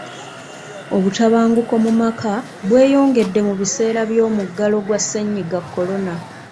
Obutabanguko mu maka bweyongedde mu biseera by'omuggalo gwa ssenyiga kolona.